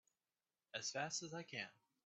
As fast as I can!